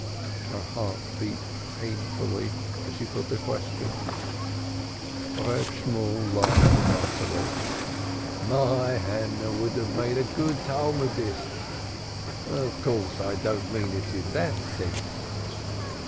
Her heart beat painfully as she put the question. Reb Shemuel laughed heartily. "My Hannah would have made a good Talmudist. Of course, I don't mean it in that sense."